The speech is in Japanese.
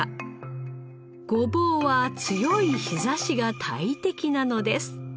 ごぼうは強い日差しが大敵なのです。